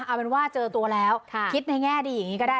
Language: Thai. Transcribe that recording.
เอาเป็นว่าเจอตัวแล้วคิดในแง่ดีอย่างนี้ก็ได้